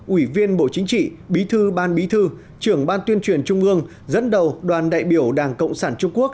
ủy viên bộ chính trị bí thư ban bí thư trưởng ban tuyên truyền trung ương dẫn đầu đoàn đại biểu đảng cộng sản trung quốc